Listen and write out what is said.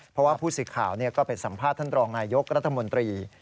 เพราะว่าผู้สื่อข่าวก็ไปสัมภาษณ์ท่านรองนายยกรัฐมนตรี